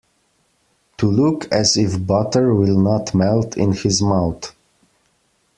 To look as if butter will not melt in his mouth.